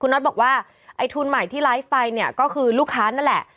น็อตบอกว่าไอ้ทุนใหม่ที่ไลฟ์ไปเนี่ยก็คือลูกค้านั่นแหละ